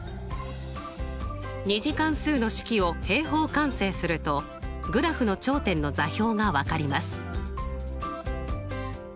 ２次関数の式を平方完成するとグラフの頂点の座標が分かります。